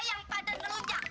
yang pada melunca